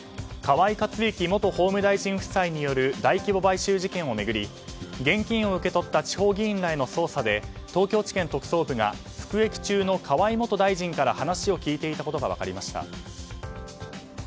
河井克行元法務大臣夫妻による大規模買収事件を巡り現金を受け取った地方議員らへの捜査で東京地検特捜部が服役中の河井元大臣から話を聞いていたことが分かりました。